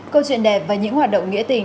câu chuyện đẹp và những hoạt động nghĩa tình